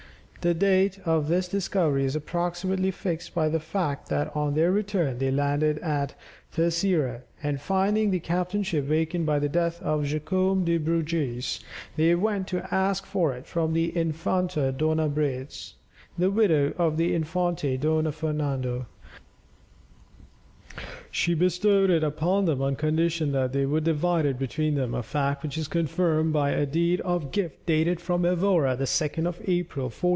The date of this discovery is approximately fixed by the fact that on their return, they landed at Terceira and finding the captainship vacant by the death of Jacome de Bruges, they went to ask for it from the Infanta Doña Brites, the widow of the Infante Don Fernando; she bestowed it upon them on condition that they would divide it between them, a fact which is confirmed by a deed of gift dated from Evora the 2nd of April, 1464.